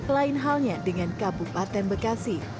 lain halnya dengan kabupaten bekasi